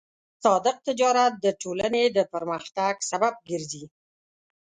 صادق تجارت د ټولنې د پرمختګ سبب ګرځي.